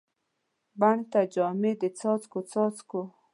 بڼ ته جامې د څاڅکو، څاڅکو